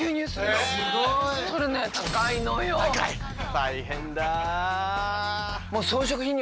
大変だ。